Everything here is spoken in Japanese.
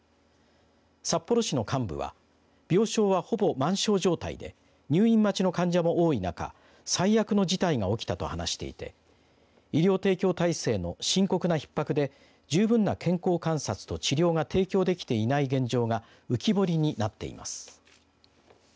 札幌市の幹部は病床は、ほぼ満床状態で入院待ちの患者も多い中最悪の事態が起きたと話していて医療提供体制の深刻なひっ迫で十分な健康観察と治療が提供できていない現状が浮き彫りになっています。